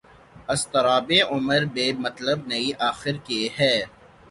اضطرابِ عمر بے مطلب نہیں آخر کہ ہے